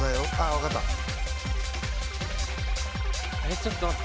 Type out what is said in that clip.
ちょっと待って。